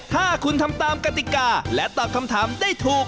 ถ้าคุณทำตามกติกาและตอบคำถามได้ถูก